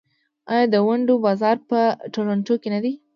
آیا د ونډو بازار په تورنټو کې نه دی؟